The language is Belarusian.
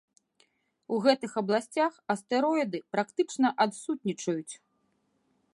У гэтых абласцях астэроіды практычна адсутнічаюць.